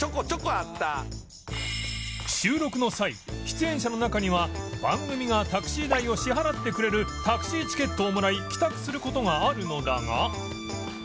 収録の際出演者の中には番組がタクシー代を支払ってくれるタクシーチケットをもらい帰宅する事があるのだが。